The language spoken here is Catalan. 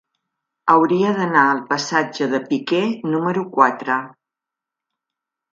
Hauria d'anar al passatge de Piquer número quatre.